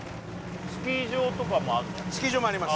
スキー場もあります